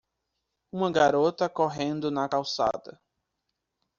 Uma garota correndo na calçada.